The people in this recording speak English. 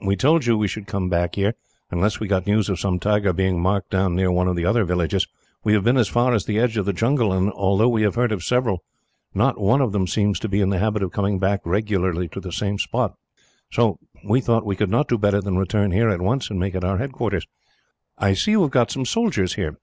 "We told you we should come back here, unless we got news of some tiger being marked down near one of the other villages. We have been as far as the edge of the jungle, and although we have heard of several, not one of them seems to be in the habit of coming back regularly to the same spot; so we thought we could not do better than return here, at once, and make it our headquarters. "I see you have got some soldiers here."